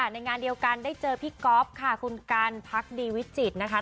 ในงานเดียวกันได้เจอพี่ก๊อฟค่ะคุณกันพักดีวิจิตรนะคะ